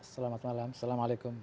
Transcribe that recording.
selamat malam assalamualaikum